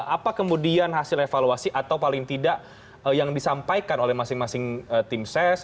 apa kemudian hasil evaluasi atau paling tidak yang disampaikan oleh masing masing tim ses